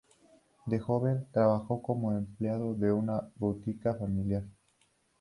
De joven trabajó como empleado en una botica familiar.